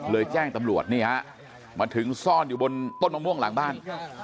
แจ้งตำรวจนี่ฮะมาถึงซ่อนอยู่บนต้นมะม่วงหลังบ้าน